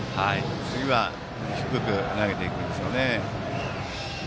次は低く投げていくんでしょうね。